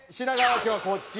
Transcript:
今日はこっちで。